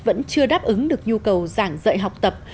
vẫn chưa đáp ứng được nhu cầu giảng dạy học tập